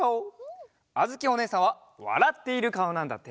あづきおねえさんはわらっているかおなんだって。